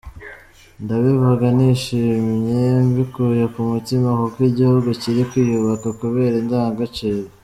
Ndabivuga nishimye mbikuye ku mutima, kuko igihugu kiri kwiyubaka kubera indangagaciro.